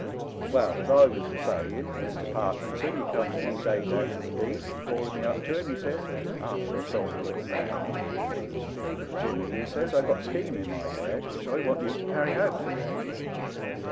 Well, as I was a saying, Mr, Parkinson he comes one day down to the beach, and calling me up to him he says, after a sort of look around, 'Jimmy,* he says, ' I've got a scheme in my head which I want you to carry out for me.